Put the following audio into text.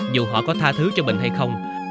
dù họ có tha thứ cho bình hay không